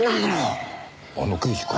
あの刑事か。